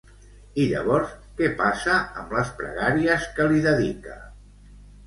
I llavors, què passa amb les pregàries que li dedica?